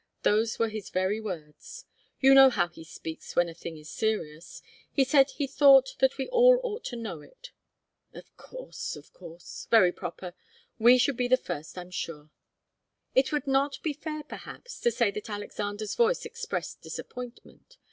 Those were his very words. You know how he speaks when a thing is serious. He said he thought that we all ought to know it." "Of course of course. Very proper. We should be the first, I'm sure." It would not be fair, perhaps, to say that Alexander's voice expressed disappointment.